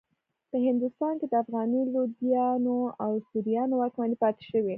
په هندوستان کې د افغاني لودیانو او سوریانو واکمنۍ پاتې شوې.